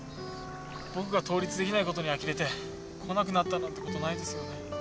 僕が倒立できないことにあきれて来なくなったなんてことないですよね。